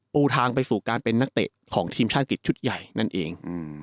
ปูทางไปสู่การเป็นนักเตะของทีมชาติอังกฤษชุดใหญ่นั่นเอง